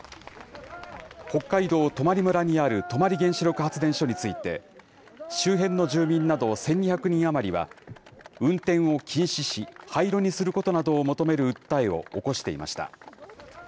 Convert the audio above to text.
北海道泊村にある泊原子力発電所について、周辺の住民など１２００人余りは、運転を禁止し、廃炉にすることなどを求める訴えを起こしていました。